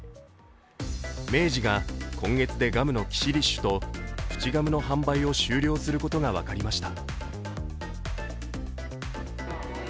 明治が今月でガムのキシリッシュとプチガムの販売を終了することが分かりました。